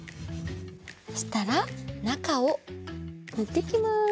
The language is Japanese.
そしたらなかをぬっていきます！